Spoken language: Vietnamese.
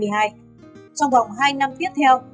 trong vòng hai năm tiếp theo